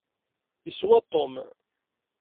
Iswa Tom.